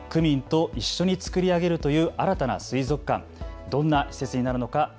区民と一緒に作り上げるという新たな水族館、どんな施設になるのか